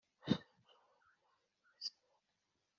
byongeye kandi, ahari abahinza